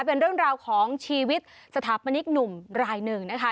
เป็นเรื่องราวของชีวิตสถาปนิกหนุ่มรายหนึ่งนะคะ